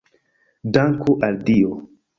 Danku al Dio!